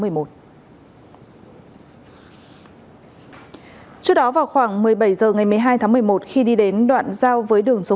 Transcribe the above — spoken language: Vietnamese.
trước đó vào khoảng một mươi bảy h ngày một mươi hai tháng một mươi một khi đi đến đoạn giao với đường số một